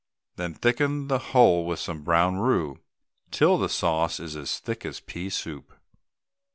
Then thicken the whole with some brown roux till the sauce is as thick as pea soup.